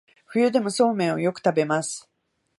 冬でもそうめんをよく食べます